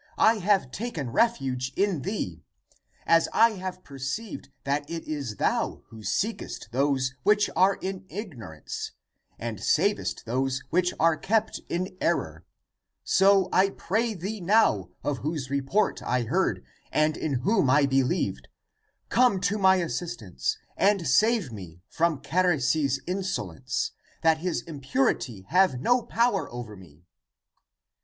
I have taken refuge in thee! As I ACTS OF THOMAS 305 have perceived that it is thou who seekest those which are in ignorance and savest those which are kept in error, so I pray thee now of whose report I heard and in whom I believed, Come to my assist ance and save me from Charis's insolence, that his impurity have no power over me."